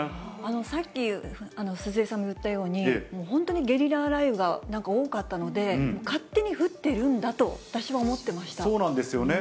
さっき鈴江さんが言ったように、本当にゲリラ雷雨がなんか多かったので、勝手に降ってるんだそうなんですよね。